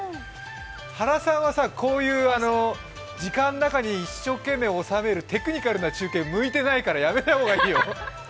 原さんは、こういう時間中に一生懸命収めるテクニカルな中継向いてないからやめた方がいいよ。